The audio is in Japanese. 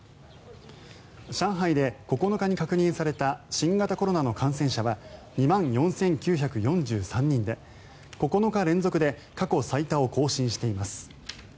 上海で９日に確認された新型コロナの感染者は２万４９４３人で９日連続で過去最多を更新しています。